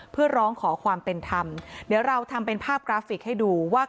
เพื่อร้องขอความเป็นธรรมเดี๋ยวเราทำเป็นภาพกราฟิกให้ดูว่า